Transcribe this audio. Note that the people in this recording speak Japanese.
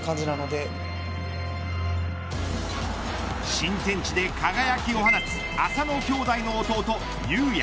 新天地で輝きを放つ浅野兄弟の弟、雄也。